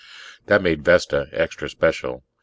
That made Vesta extra special.